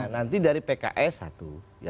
nanti dari pks satu